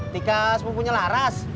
tika sepupunya laras